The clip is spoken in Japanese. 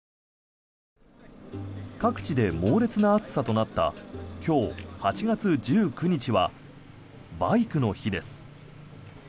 各地で猛烈な暑さとなった今日８月１９日はバイクの日です。